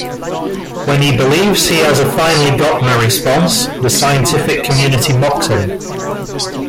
When he believes he has finally gotten a response, the scientific community mocks him.